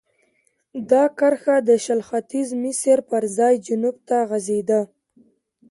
دا کرښه د شل ختیځ مسیر پر ځای جنوب ته غځېده.